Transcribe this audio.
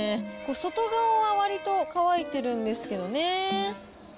外側はわりと乾いてるんですけどね。